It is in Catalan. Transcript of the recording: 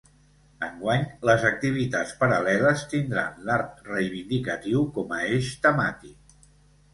Enguany les activitats paral·leles tindran l’art reivindicatiu com a eix temàtic.